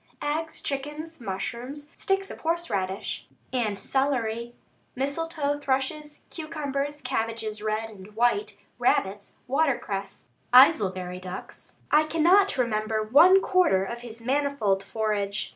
Eggs, chickens, mushrooms, sticks of horseradish and celery, misletoe thrushes, cucumbers, cabbages red and white, rabbits, watercress, Aylesbury ducks I cannot remember one quarter of his manifold forage.